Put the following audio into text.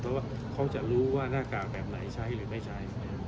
เพราะว่าเขาจะรู้ว่าหน้ากากแบบไหนใช้หรือไม่ใช้